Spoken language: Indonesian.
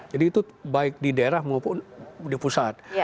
jadi itu baik di daerah maupun di pusat